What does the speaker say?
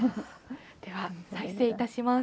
では、再生いたします。